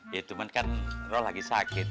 ya cuman kan roh lagi sakit